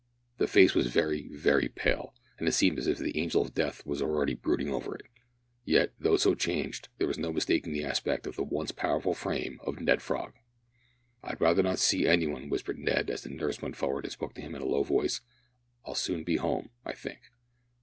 The face was very very pale, and it seemed as if the angel of death were already brooding over it. Yet, though so changed, there was no mistaking the aspect and the once powerful frame of Ned Frog. "I'd rather not see any one," whispered Ned, as the nurse went forward and spoke to him in a low voice, "I'll soon be home I think."